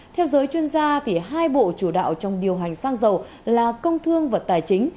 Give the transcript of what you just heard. theo giới chuyên gia hai bộ chủ đạo trong điều hành xăng dầu là công thương và tài chính